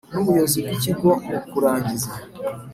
N ubuyobozi bw ikigo mu kurangiza